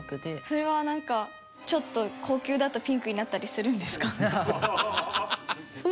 それはなんかちょっと高級だとピンクになったりするんですか？